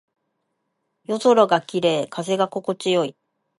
夜空が綺麗。風が心地よい。